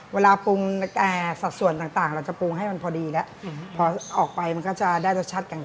แม่งจะต้องเลือกสัตว์ส่วนต่างเราจะปรูงให้มันพอดีแล้วพอออกไปมันก็จะได้รสชาติกลาง